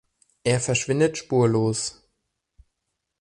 Er verschwindet spurlos.